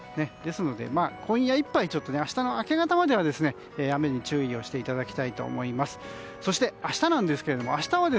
ですので、今夜いっぱい明日の明け方までは雨に注意をしていただきたいと思います。